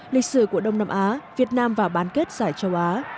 lịch sử của đông nam á việt nam vào bán kết giải châu á